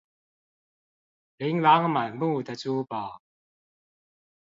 琳琅滿目的珠寶